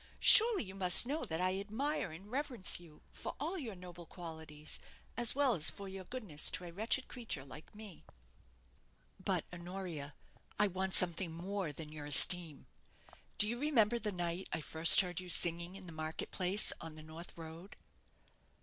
Surely, you must know that I admire and reverence you for all your noble qualities, as well as for your goodness to a wretched creature like me." "But, Honoria, I want something more than your esteem. Do you remember the night I first heard you singing in the market place on the north road?"